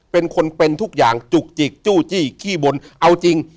เป็นคนเป็นทุกอย่างจุกจิกจู้จี้ขี้บนเอาจริง